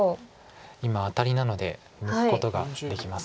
今アタリなので抜くことができます。